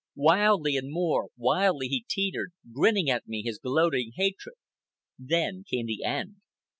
Wildly and more wildly he teetered, grinning at me his gloating hatred. Then came the end.